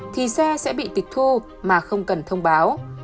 thì xe sẽ bị tịch thu mà không cần thông báo